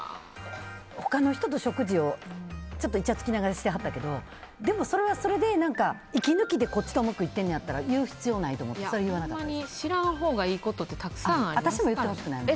他の人と食事をいちゃつきながらしてはったけどでもそれはそれで息抜きでうまくいってんのやったら言う必要ないと思って知らんほうがいいことって私も言ってほしくないもん。